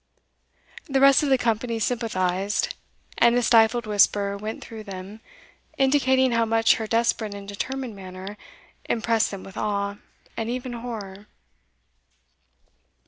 The rest of the company sympathized, and a stifled whisper went through them, indicating how much her desperate and determined manner impressed them with awe, and even horror.